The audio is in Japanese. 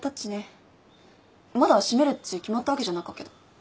まだ閉めるっち決まったわけじゃなかけど。